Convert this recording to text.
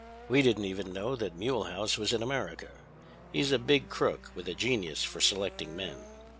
"We didn't even know that Mulehaus was in America. He's a big crook with a genius for selecting men.